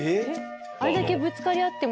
あれだけぶつかり合っても。